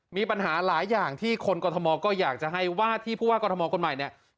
มีปัญหาหลายอย่างที่คนกรทมก็อยากจะให้ว่าที่ผู้ว่ากรทมคนใหม่เนี่ย